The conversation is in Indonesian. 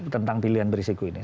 tentang pilihan berisiko ini